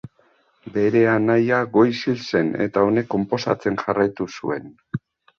Bere anaia goiz hil zen eta honek konposatzen jarraitu zuen.